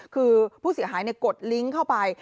คือผู้เสียหายกดลิงก์เข้าไป